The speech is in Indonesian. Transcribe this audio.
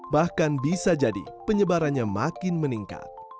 bahkan bisa jadi penyebarannya makin meningkat